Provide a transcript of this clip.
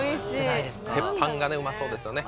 鉄板がねうまそうですよね。